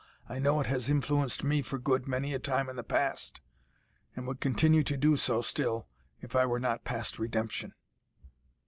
I know it has influenced me for good many a time in the past, and would continue to do so still if I were not past redemption."